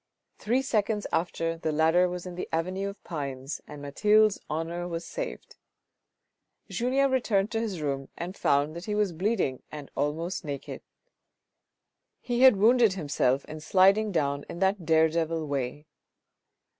Three seconds after the ladder was in the avenue of pines, and Mathilde's honour was saved. Julien returned to his room and found that he was bleeding and almost naked. He had wounded himself in sliding down in that dare devil way.